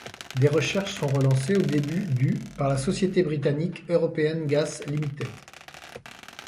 Des recherches sont relancées au début du par la société britannique European Gas Limited.